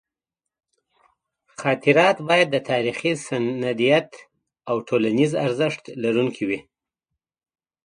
خاطرات باید د تاریخي سندیت او ټولنیز ارزښت لرونکي وي.